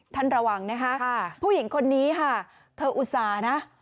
ท่านระวังนะฮะผู้หญิงคนนี้ฮะเธออุตสาธิตนะ